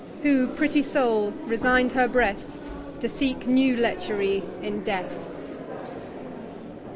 Who, pretty Soul, resign'd her Breath, To seek new Letchery in Death.